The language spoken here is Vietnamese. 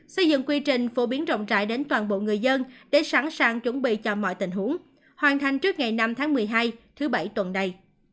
xây dựng quy trình phổ biến rộng rãi đến toàn bộ người dân để sẵn sàng chuẩn bị cho mọi tình huống hoàn thành trước ngày năm tháng một mươi hai thứ bảy tuần đây